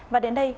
và đến đây